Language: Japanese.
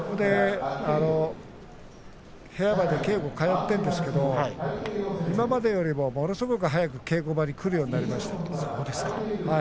部屋まで稽古に通っているんですけど今までよりも、ものすごく早く稽古場に来るようになりました。